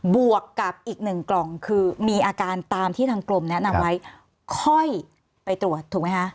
บวกกับอีกหนึ่งกล่องคือมีอาการตามที่ทางกรมแนะนำไว้ค่อยไปตรวจถูกไหมคะ